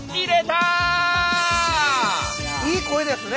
いい声ですね